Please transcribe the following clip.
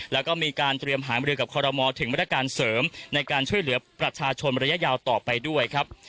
แล้วก็มีการเตรียมหามรือกับคอรมอลถึงมาตรการเสริมในการช่วยเหลือประชาชนระยะยาวต่อไปด้วยครับ